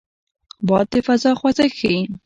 باد د فضا خوځښت ښيي